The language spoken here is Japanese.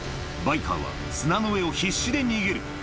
バイカーは砂の上を必死で逃げる